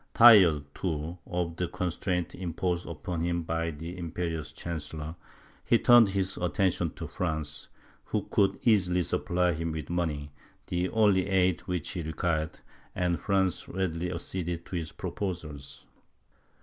Tired, too, of the constraint imposed upon him by the imperious chancellor, he turned his attention to France, who could easily supply him with money, the only aid which he required, and France readily acceded to his proposals.